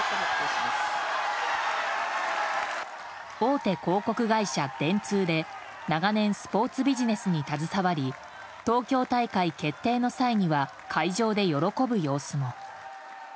大手広告会社電通で長年、スポーツビジネスに携わり東京大会決定の際には会場で喜ぶ様子も。